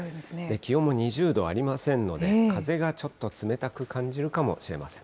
気温も２０度ありませんので、風がちょっと冷たく感じるかもしれません。